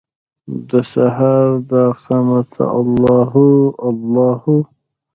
دسهار داقامته الله هو، الله هو